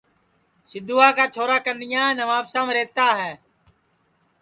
سیدھوا کا چھورا کنیا نوابشام رہتا ہے